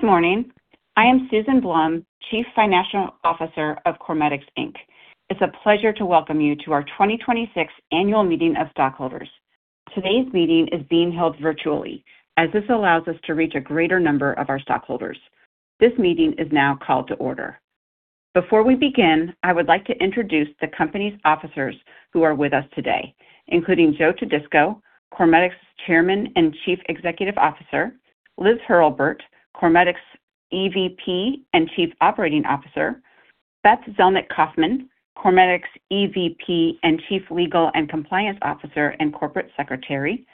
Good morning. I am Susan Blum, Chief Financial Officer of CorMedix Inc. It's a pleasure to welcome you to our 2026 Annual Meeting of Stockholders. Today's meeting is being held virtually, as this allows us to reach a greater number of our stockholders. This meeting is now called to order. Before we begin, I would like to introduce the company's officers who are with us today, including Joseph Todisco, CorMedix Chairman and Chief Executive Officer, Liz Hurlburt, CorMedix EVP and Chief Operating Officer, Beth Zelnick Kaufman, CorMedix EVP and Chief Legal and Compliance Officer and Corporate Secretary,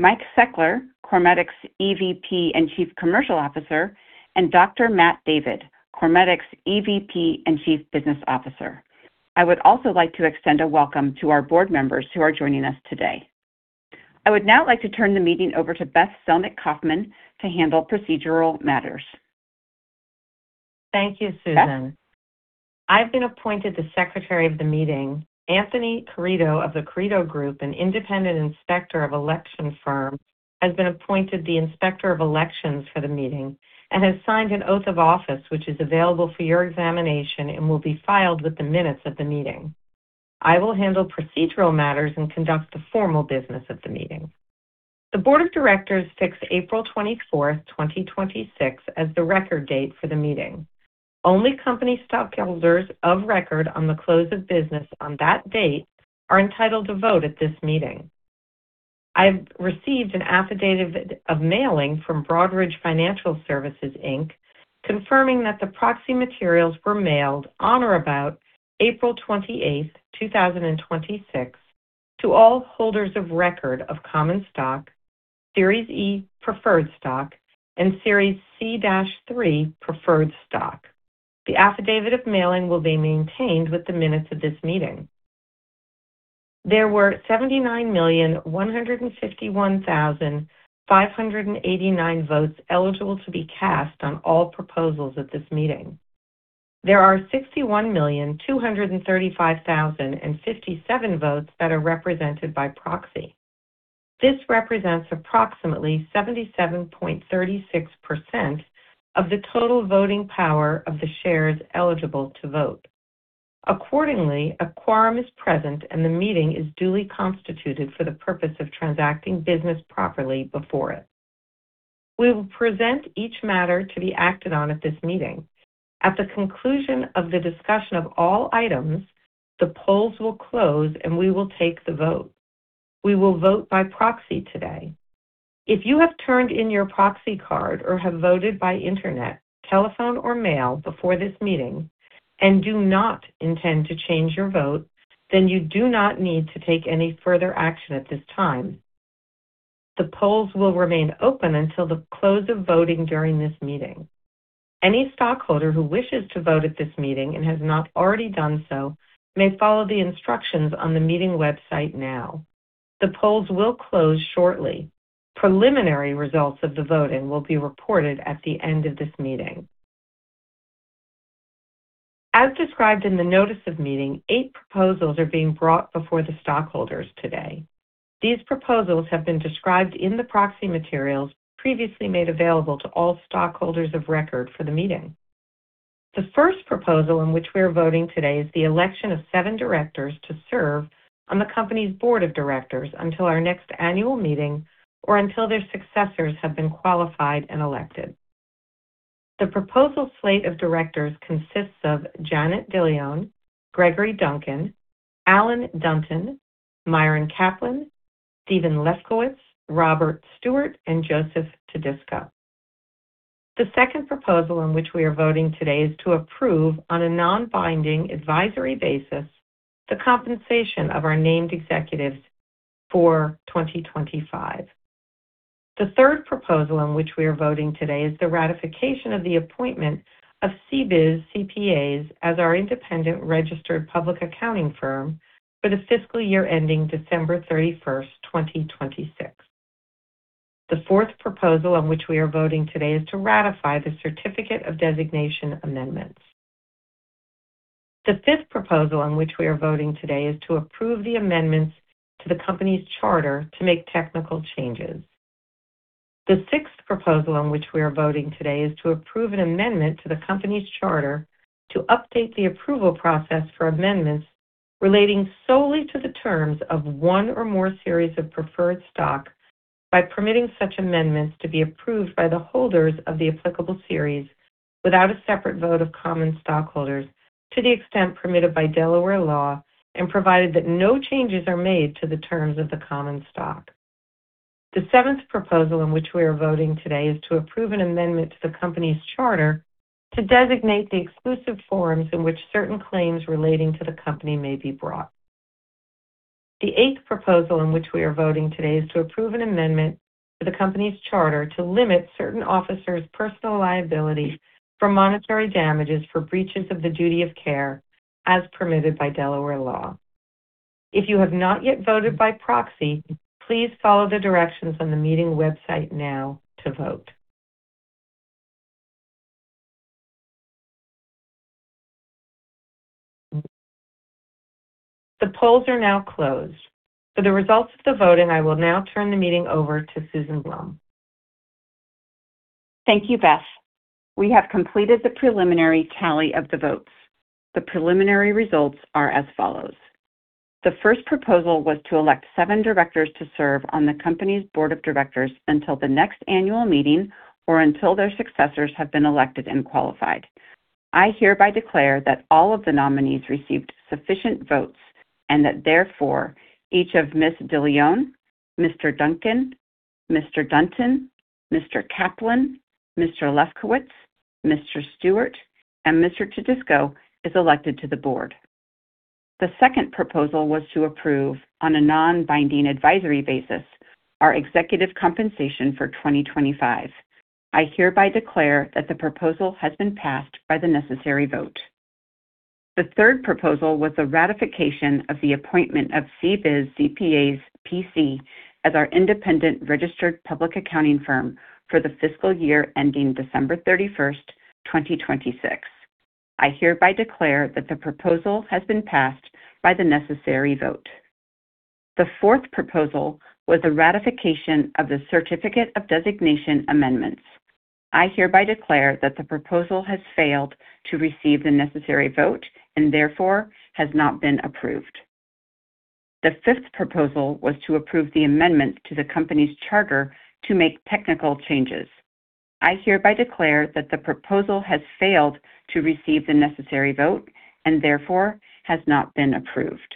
Mike Seckler, CorMedix EVP and Chief Commercial Officer, and Dr. Matt David, CorMedix EVP and Chief Business Officer. I would also like to extend a welcome to our board members who are joining us today. I would now like to turn the meeting over to Beth Zelnick Kaufman to handle procedural matters. Thank you, Susan. I've been appointed the secretary of the meeting. Anthony Perrito of the Perrito Group, an independent inspector of election firm, has been appointed the Inspector of Elections for the meeting and has signed an oath of office, which is available for your examination and will be filed with the minutes of the meeting. I will handle procedural matters and conduct the formal business of the meeting. The board of directors fixed April 24th, 2026 as the record date for the meeting. Only company stockholders of record on the close of business on that date are entitled to vote at this meeting. I've received an affidavit of mailing from Broadridge Financial Solutions Inc, confirming that the proxy materials were mailed on or about April 28th, 2026 to all holders of record of common stock, Series E preferred stock, and Series C-3 preferred stock. The affidavit of mailing will be maintained with the minutes of this meeting. There were 79,151,589 votes eligible to be cast on all proposals at this meeting. There are 61,235,057 votes that are represented by proxy. This represents approximately 77.36% of the total voting power of the shares eligible to vote. A quorum is present, and the meeting is duly constituted for the purpose of transacting business properly before it. We will present each matter to be acted on at this meeting. At the conclusion of the discussion of all items, the polls will close, and we will take the vote. We will vote by proxy today. If you have turned in your proxy card or have voted by internet, telephone, or mail before this meeting and do not intend to change your vote, you do not need to take any further action at this time. The polls will remain open until the close of voting during this meeting. Any stockholder who wishes to vote at this meeting and has not already done so may follow the instructions on the meeting website now. The polls will close shortly. Preliminary results of the voting will be reported at the end of this meeting. As described in the notice of meeting, eight proposals are being brought before the stockholders today. These proposals have been described in the proxy materials previously made available to all stockholders of record for the meeting. The first proposal in which we are voting today is the election of seven directors to serve on the company's board of directors until our next annual meeting or until their successors have been qualified and elected. The proposal slate of directors consists of Janet Dillione, Gregory Duncan, Alan Dunton, Myron Kaplan, Steven Lefkowitz, Robert Stewart, and Joseph Todisco. The second proposal in which we are voting today is to approve on a non-binding advisory basis the compensation of our named executives for 2025. The third proposal in which we are voting today is the ratification of the appointment of CBIZ CPAs as our independent registered public accounting firm for the fiscal year ending December 31st, 2026. The fourth proposal in which we are voting today is to ratify the certificate of designation amendments. The fifth proposal in which we are voting today is to approve the amendments to the company's charter to make technical changes. The sixth proposal in which we are voting today is to approve an amendment to the company's charter to update the approval process for amendments relating solely to the terms of one or more series of preferred stock by permitting such amendments to be approved by the holders of the applicable series without a separate vote of common stockholders to the extent permitted by Delaware law, and provided that no changes are made to the terms of the common stock. The seventh proposal in which we are voting today is to approve an amendment to the company's charter to designate the exclusive forums in which certain claims relating to the company may be brought. The eighth proposal in which we are voting today is to approve an amendment to the company's charter to limit certain officers' personal liability for monetary damages for breaches of the duty of care as permitted by Delaware law. If you have not yet voted by proxy, please follow the directions on the meeting website now to vote. The polls are now closed. For the results of the voting, I will now turn the meeting over to Susan Blum. Thank you, Beth. We have completed the preliminary tally of the votes. The preliminary results are as follows. The first proposal was to elect seven directors to serve on the company's board of directors until the next annual meeting or until their successors have been elected and qualified. I hereby declare that all of the nominees received sufficient votes and that therefore, each of Ms. Dillione, Mr. Duncan, Mr. Dunton, Mr. Kaplan, Mr. Lefkowitz, Mr. Stewart, and Mr. Todisco is elected to the board. The second proposal was to approve, on a non-binding advisory basis, our executive compensation for 2025. I hereby declare that the proposal has been passed by the necessary vote. The third proposal was the ratification of the appointment of CBIZ CPAs, P.C. as our independent registered public accounting firm for the fiscal year ending December 31st, 2026. I hereby declare that the proposal has been passed by the necessary vote. The fourth proposal was the ratification of the certificate of designation amendments. I hereby declare that the proposal has failed to receive the necessary vote and therefore has not been approved. The fifth proposal was to approve the amendment to the company's charter to make technical changes. I hereby declare that the proposal has failed to receive the necessary vote, and therefore has not been approved.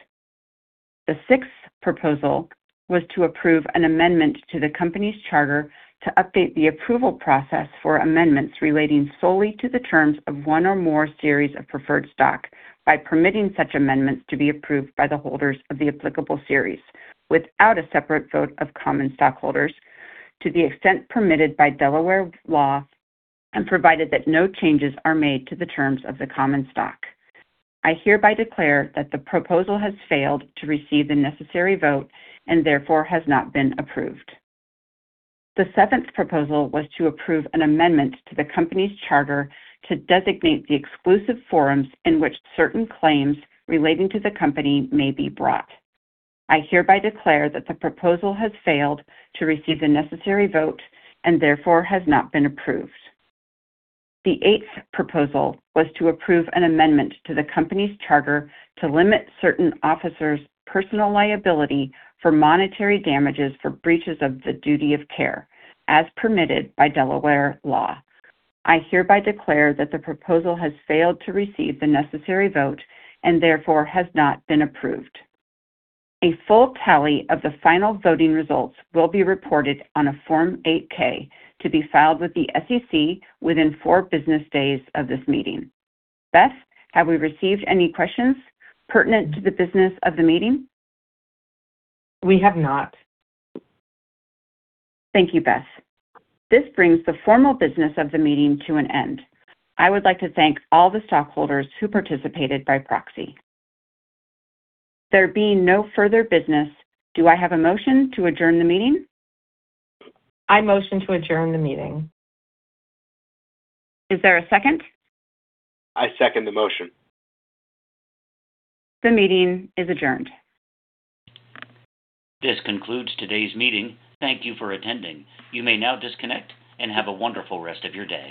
The sixth proposal was to approve an amendment to the company's charter to update the approval process for amendments relating solely to the terms of one or more series of preferred stock by permitting such amendments to be approved by the holders of the applicable series without a separate vote of common stockholders to the extent permitted by Delaware law, and provided that no changes are made to the terms of the common stock. I hereby declare that the proposal has failed to receive the necessary vote and therefore has not been approved. The seventh proposal was to approve an amendment to the company's charter to designate the exclusive forums in which certain claims relating to the company may be brought. I hereby declare that the proposal has failed to receive the necessary vote and therefore has not been approved. The eighth proposal was to approve an amendment to the company's charter to limit certain officers' personal liability for monetary damages for breaches of the duty of care as permitted by Delaware law. I hereby declare that the proposal has failed to receive the necessary vote and therefore has not been approved. A full tally of the final voting results will be reported on a Form 8-K to be filed with the SEC within four business days of this meeting. Beth, have we received any questions pertinent to the business of the meeting? We have not. Thank you, Beth. This brings the formal business of the meeting to an end. I would like to thank all the stockholders who participated by proxy. There being no further business, do I have a motion to adjourn the meeting? I motion to adjourn the meeting. Is there a second? I second the motion. The meeting is adjourned. This concludes today's meeting. Thank you for attending. You may now disconnect and have a wonderful rest of your day.